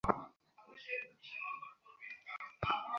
নরম গলায় বললেন, আমাকে কয়েকটা জিনিস টাইপ করে দিতে পারবে?